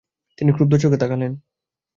তিনি ক্রুদ্ধ চােখে তাকালেন।